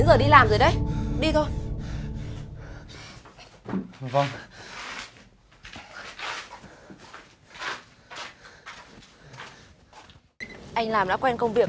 ngày mai anh làm luôn đi